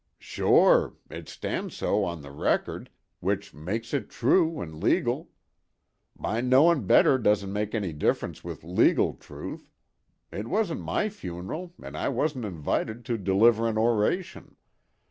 "Sure!—it stan's so on the record, which makes it true an' legal. My knowin' better doesn't make any difference with legal truth; it wasn't my funeral and I wasn't invited to deliver an oration.